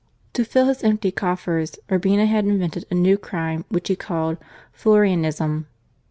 To fill his empty coffers, Urbina had invented a new crime, which he called " Floreanism."